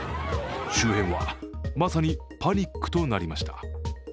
周辺はまさにパニックとなりました。